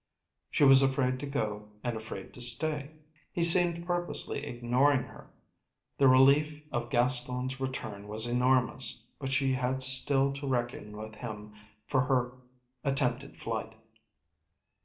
She was afraid to go and afraid to stay. He seemed purposely ignoring her. The relief of Gaston's return was enormous, but she had still to reckon with him for her attempted flight.